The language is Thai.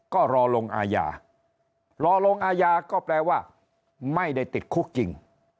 ก็รอลงอาญารอลงอาญาก็แปลว่าไม่ได้ติดคุกจริง